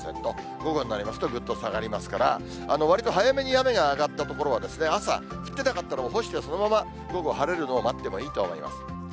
午後になりますと、ぐっと下がりますから、わりと早めに雨が上がった所は、朝、降ってなかったら干して、そのまま午後、晴れるのを待ってもいいと思います。